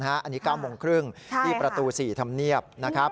อันนี้๙โมงครึ่งที่ประตู๔ธรรมเนียบนะครับ